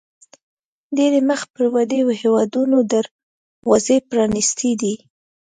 ډېری مخ پر ودې هیوادونو دروازې پرانیستې دي.